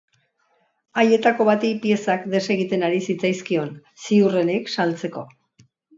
Haietako bati piezak desegiten ari zitzaizkion, ziurrenik saltzeko.